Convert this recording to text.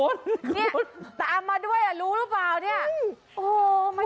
นี่ตามมาด้วยรู้หรือเปล่า